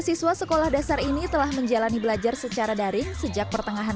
siswa sekolah dasar ini telah menjalani belajar secara daring sejak pertengahan